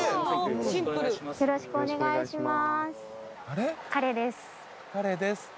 よろしくお願いします。